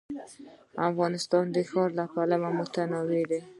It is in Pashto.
افغانستان د ښارونه له پلوه متنوع دی.